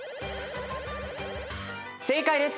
正解です。